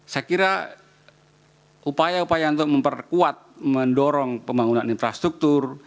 saya kira upaya upaya untuk memperkuat mendorong pembangunan infrastruktur